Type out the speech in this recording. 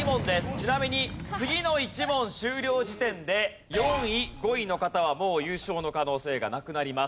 ちなみに次の１問終了時点で４位５位の方はもう優勝の可能性がなくなります。